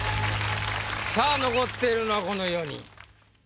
さあ残っているのはこの四人。